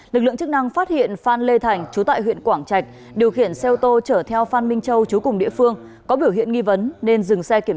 lực lượng chức năng phát hiện phan lê thành chú tại huyện quảng trạch điều khiển xe ô tô chở theo phan minh châu chú cùng địa phương